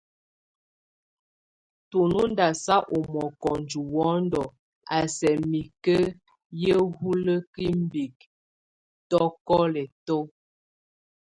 Tu nóndasa o mɔkɔnjɛ wɔnd a sɛk mike yé hulek imbik, tokɔlɛ tó.